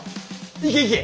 行け行け！